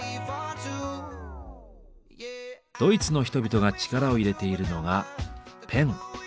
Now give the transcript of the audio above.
ドイツの人々が力を入れているのがペン。